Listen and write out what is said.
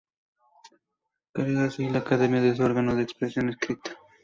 Crea así la Academia su órgano de expresión escrita.